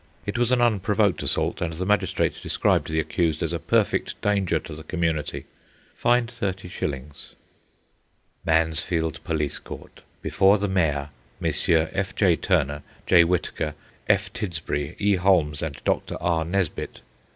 It was an unprovoked assault, and the magistrate described the accused as a perfect danger to the community. Fined 30s. Mansfield Police Court. Before the Mayor, Messrs. F. J. Turner, J. Whitaker, F. Tidsbury, E. Holmes, and Dr. R. Nesbitt.